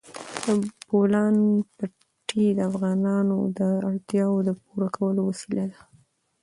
د بولان پټي د افغانانو د اړتیاوو د پوره کولو وسیله ده.